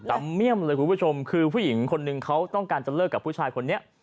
เมี่ยมเลยคุณผู้ชมคือผู้หญิงคนนึงเขาต้องการจะเลิกกับผู้ชายคนนี้